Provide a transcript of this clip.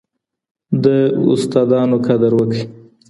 د استادانو قدر وکړئ.